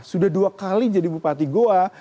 sudah dua kali jadi bupati goa